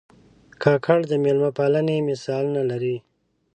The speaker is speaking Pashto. کاکړ د مېلمه پالنې مثالونه لري.